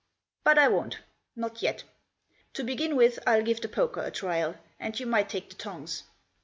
But I won't— not yet. To begin with I'll give the poker a trial, and you might take the tongs."